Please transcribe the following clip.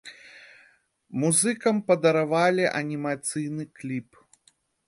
Музыкам падаравалі анімацыйны кліп.